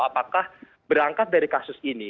apakah berangkat dari kasus ini